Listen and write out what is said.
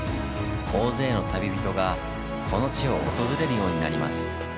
大勢の旅人がこの地を訪れるようになります。